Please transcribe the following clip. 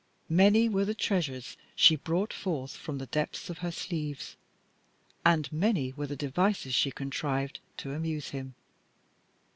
Many were the treasures she brought forth from the depths of her long sleeves, and many were the devices she contrived to amuse him.